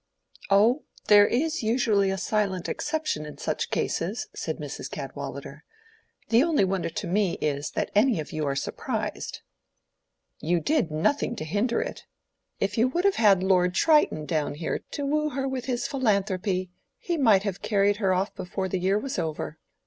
"Oh, there is usually a silent exception in such cases," said Mrs. Cadwallader. "The only wonder to me is, that any of you are surprised. You did nothing to hinder it. If you would have had Lord Triton down here to woo her with his philanthropy, he might have carried her off before the year was over.